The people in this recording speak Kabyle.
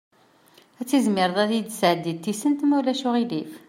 Ad tizmireḍ ad iyi-d-tesɛeddiḍ tisent, ma ulac aɣilif?